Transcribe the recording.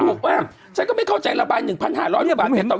ถูกแบบฉันก็ไม่เข้าใจละไป๑๕๐๐บาท